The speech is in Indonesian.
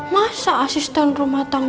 masa asisten rumah tangga